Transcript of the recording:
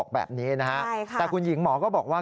แบบนี้นะฮะแต่คุณหญิงหมอก็บอกว่า